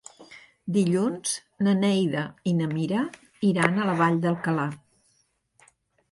Dilluns na Neida i na Mira iran a la Vall d'Alcalà.